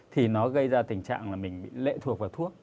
thì nó gây ra tình trạng là mình bị lệ thuộc vào thuốc